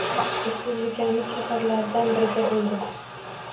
Respublikamiz shaharlaridan birida bo’ldim.